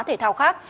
thể thao khác